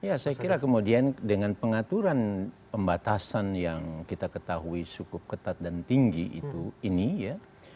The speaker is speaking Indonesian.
ya saya kira kemudian dengan pengaturan pembatasan yang kita ketahui cukup ketat dan tinggi itu ini ya